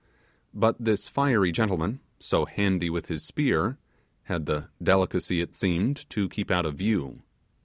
But this fiery gentleman, so handy with his spear, had the delicacy, it seemed, to keep out of view.